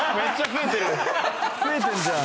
増えてんじゃん。